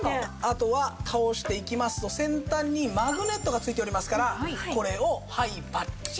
後は倒していきますと先端にマグネットが付いておりますからこれをはいパッチン。